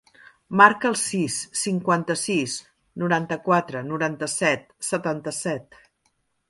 Marca el sis, cinquanta-sis, noranta-quatre, noranta-set, setanta-set.